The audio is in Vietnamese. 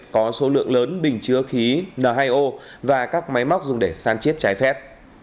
có số lượng lớn bình chứa khí n hai o và các máy móc dùng để san chiết trái phép